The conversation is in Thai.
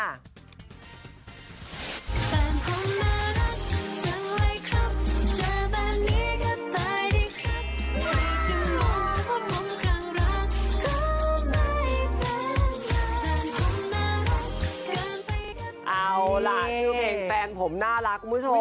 เอาล่ะชื่อเพลงแฟนผมน่ารักคุณผู้ชม